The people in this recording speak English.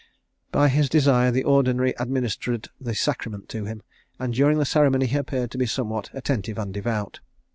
By his desire the Ordinary administered the sacrament to him; and during the ceremony he appeared to be somewhat attentive and devout.